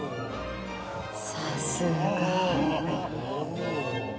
さすが。